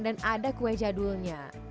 dan ada kue jadulnya